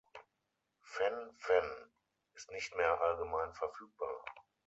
Fen-phen ist nicht mehr allgemein verfügbar.